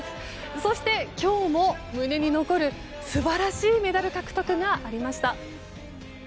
そして、今日も胸に残る素晴らしいメダル獲得がありました。